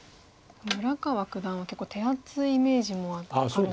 村川九段は結構手厚いイメージもあるんですが。